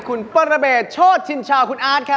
คุณปรเบศโชชินชาคุณอาร์ตค่ะ